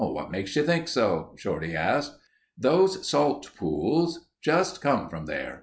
"What makes you think so?" Shorty asked. "Those salt pools. Just come from there.